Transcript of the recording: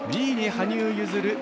２位に羽生結弦。